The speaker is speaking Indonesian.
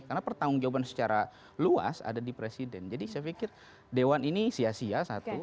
karena pertanggung jawaban secara luas ada di presiden jadi saya pikir dewan ini sia sia satu